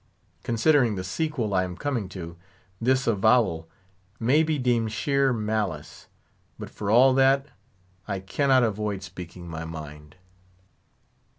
Considering the sequel I am coming to, this avowal may be deemed sheer malice; but for all that, I cannot avoid speaking my mind.